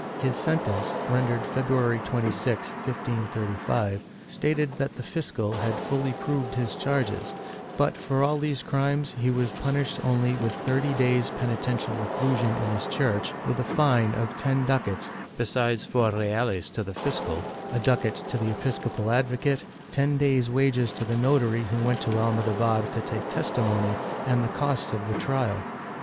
His sen tence, rendered February 26, 1535, stated that the fiscal had fully proved his charges, but for all these crimes he was punished only with thirty days' penitential reclusion in his church, with a fine of ten ducats, besides four reales to the fiscal, a ducat to the episcopal advocate, ten days' wages to the notary who went to Almodovar to take testimony, and the costs of the trial.